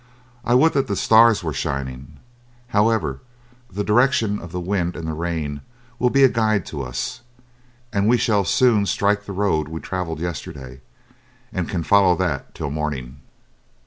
I would that the stars were shining. However, the direction of the wind and rain will be a guide to us, and we shall soon strike the road we traveled yesterday, and can follow that till morning."